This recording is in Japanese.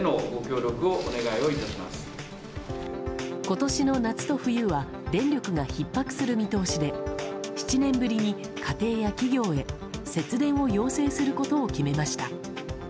今年の夏と冬は電力がひっ迫する見通しで７年ぶりに家庭や企業へ節電を要請することを決めました。